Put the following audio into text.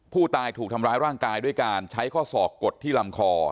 ผู้ตายถูกทำร้ายร่างกายด้วยการใช้ข้อศอกกดที่ลำคอ